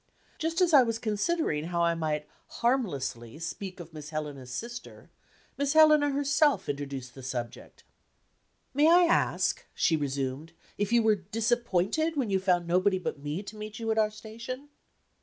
Just as I was considering how I might harmlessly speak of Miss Helena's "sister," Miss Helena herself introduced the subject. "May I ask," she resumed, "if you were disappointed when you found nobody but me to meet you at our station?"